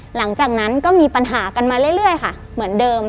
หลังจากนั้นก็มีปัญหากันมาเรื่อยค่ะเหมือนเดิม